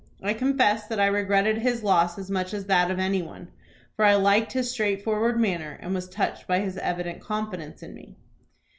I confess that I regretted his loss as much as that of any one, for I liked his straightforward manner, and was touched by his evident confidence in me."